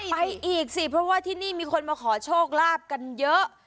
ไปอีกสิเพราะว่าที่นี่มีคนมาขอโชคลาภกันเยอะ